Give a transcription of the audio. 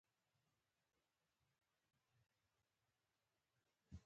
نور هلکان چیرې دي؟